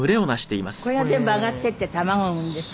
これが全部上がっていって卵産むんですか？